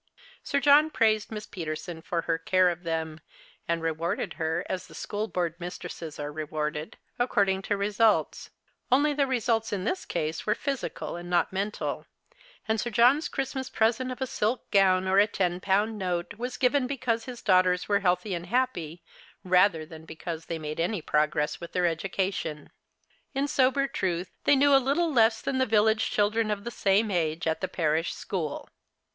Sir John praised Miss Peterson for her care cf them, and rewarded her, as the school board mistresses are rewarded, according to results ; only the results in this case were physical and not mental, and Sir John's Christmas present of a silk gown or a ten pound note was given because his daughters were healthy and happy, rather than because they made any progress with their The Christmas Hirelings. 53 education. In sober truth, they knew a little less than the village children of the same age at the parish school.